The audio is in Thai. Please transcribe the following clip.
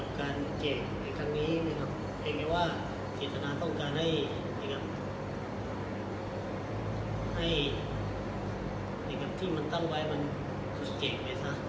กับการเจกในครั้งนี้นะครับทีรธนาต้องการให้ที่มันตั้งไว้่เจกไว้ซะ